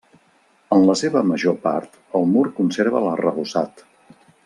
En la seva major part el mur conserva l'arrebossat.